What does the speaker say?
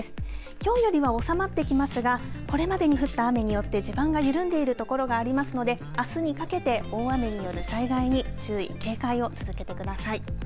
きょうよりは収まってきますがこれまでに降った雨によって地盤が緩んでいるところがありますのであすにかけて大雨による災害に注意、警戒を続けてください。